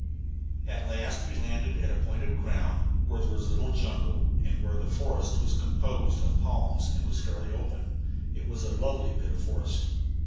At last we landed at a point of ground where there was little jungle, and where the forest was composed of palms and was fairly open. It was a lovely bit of forest.